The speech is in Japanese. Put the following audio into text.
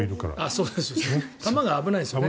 そうですね。